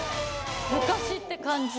「昔って感じ」